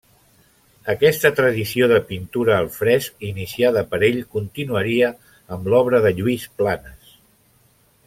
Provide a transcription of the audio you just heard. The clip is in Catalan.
Aquesta tradició de pintura al fresc iniciada per ell continuaria amb l'obra de Lluís Planes.